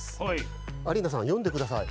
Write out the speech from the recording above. アリーナさんよんでください。